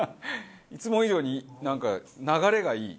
いつも以上になんか流れがいい。